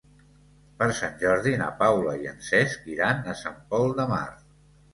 Per Sant Jordi na Paula i en Cesc iran a Sant Pol de Mar.